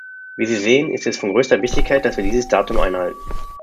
Wie Sie sehen, ist es von größter Wichtigkeit, dass wir dieses Datum einhalten.